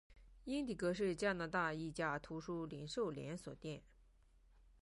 英迪戈是加拿大一家图书零售连锁店。